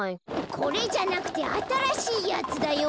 これじゃなくてあたらしいやつだよ。